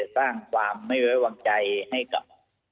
สร้างความไม่ไว้วางใจให้กับ